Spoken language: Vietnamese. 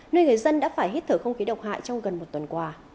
nơi người dân đã phải hít thở không khí độc hại trong gần một tuần qua